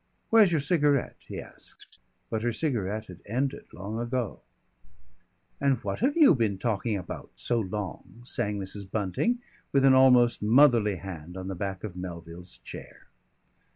"Where's your cigarette?" he asked. But her cigarette had ended long ago. "And what have you been talking about so long?" sang Mrs. Bunting, with an almost motherly hand on the back of Melville's chair.